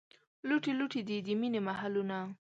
لوټې لوټې دي، د مینې محلونه